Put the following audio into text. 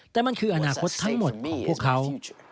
แต่มันคืออนาคตทั้งหมดพวกเขา